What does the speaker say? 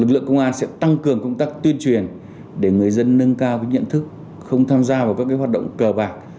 lực lượng công an sẽ tăng cường công tác tuyên truyền để người dân nâng cao nhận thức không tham gia vào các hoạt động cờ bạc